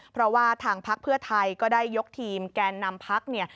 เพราะว่าทางพักเพื่อไทยก็ได้ยกทีมแกนนำพักเนี่ย